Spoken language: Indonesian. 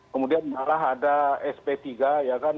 kemudian malah ada sp tiga ya kan